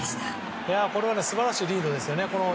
これは素晴らしいリードですね。